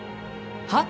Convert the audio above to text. はっ？